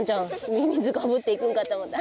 ミミズガブッていくんかと思った。